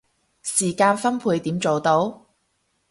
時間分配點做到